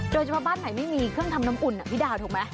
โดยเฉพาะบ้านไหนไม่มีเครื่องทำน้ำอุ่นพี่ดาวถูกไหม